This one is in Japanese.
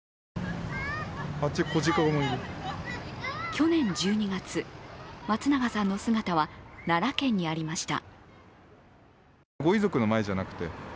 去年１２月、松永さんの姿は奈良県にありました。